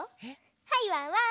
はいワンワン。